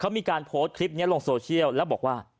เขามีการโพสต์คลิปนี้ลงโซเชียลแล้วบอกว่า